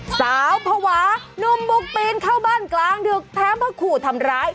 ภาวะนุ่มบุกปีนเข้าบ้านกลางดึกแถมมาขู่ทำร้าย